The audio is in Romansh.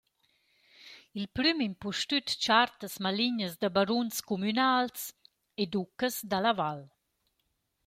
Il prüm impustüt chartas malignas da baruns cumünals e ducas da la val.